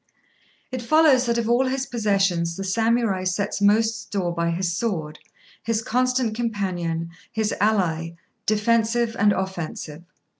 It follows that of all his possessions the Samurai sets most store by his sword, his constant companion, his ally, defensive and offensive.